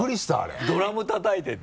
何かドラムたたいてて。